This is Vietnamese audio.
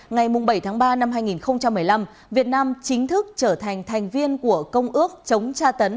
ngày bảy tháng ba năm hai nghìn một mươi năm việt nam chính thức trở thành thành viên của công ước chống tra tấn